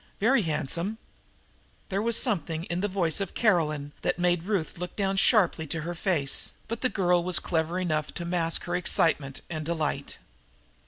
Very handsome!" There was something in the voice of Caroline that made Ruth look down sharply to her face, but the girl was clever enough to mask her excitement and delight.